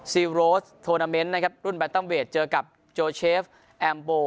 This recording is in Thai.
ซิลโรสโทนาเมนต์นะครับรุ่นแตมเวทเจอกับโจเชฟแอมโบ